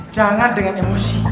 jangan dengan emosi